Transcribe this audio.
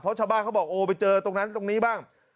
เพราะชาวบ้านเขาบอกโอ้ไปเจอตรงนั้นตรงนี้บ้าง